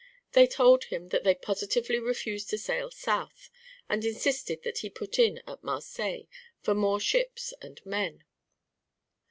They told him that they positively refused to sail south and insisted that he put in at Marseilles for more ships and men.